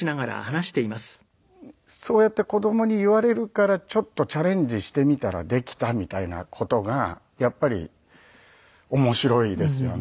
でなんかそうやって子供に言われるからちょっとチャレンジしてみたらできたみたいな事がやっぱり面白いですよね。